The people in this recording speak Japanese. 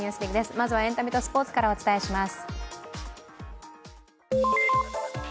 まずはエンタメとスポーツからお伝えします。